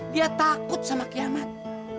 dia takut sama kiamat